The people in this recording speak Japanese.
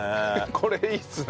これいいっすね。